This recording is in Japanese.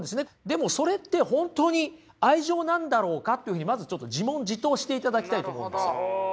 でもそれって本当に愛情なんだろうかっていうふうにまずちょっと自問自答していただきたいと思うんです。